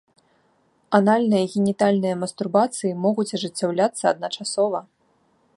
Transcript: Анальная і генітальная мастурбацыі могуць ажыццяўляцца адначасова.